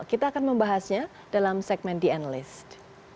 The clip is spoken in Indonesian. kita akan membahasnya dalam segmen the end list